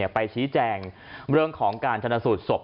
ไปชี้แจงเรื่องของการชนสูตรศพ